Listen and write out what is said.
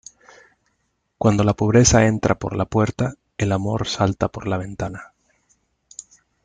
Cuando la pobreza entra por la puerta, el amor salta por la ventana.